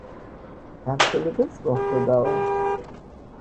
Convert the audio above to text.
გამშველებელს მოხვდებაო.